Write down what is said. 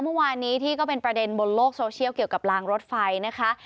เมื่อวานนี้ที่ก็เป็นประเด็นบนโลกโซเชียลเกี่ยวกับลางรถไฟนะคะ